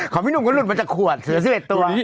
พี่หนุ่มก็หลุดมาจากขวดเสือ๑๑ตัว